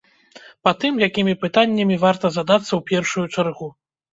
Па тым, якімі пытаннямі варта задацца ў першую чаргу.